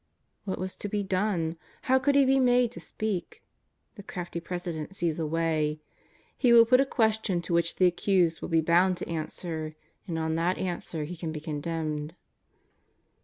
What was to be done ? How could He be made to speak ? The crafty president sees a way. He will put a question to which the Accused will be bound to answer, and on that answer He can be condemned.